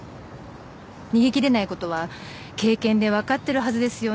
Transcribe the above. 逃げ切れないことは経験で分かってるはずですよねって。